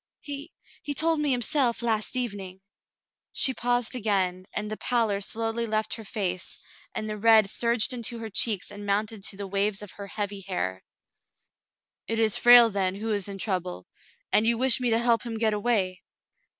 He — he told me himself — last evening." She paused again, and the pallor slowly left her face and the red surged 54 The Mountain Girl into her cheeks and mounted to the waves of her heavy hair. "It is Frale, then, who is in trouble ! And you wish me to help him get away